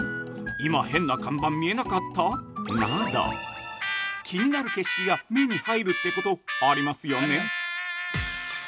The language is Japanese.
「今、変な看板見えなかった！？」など、気になる景色が目に入るってことありますよね。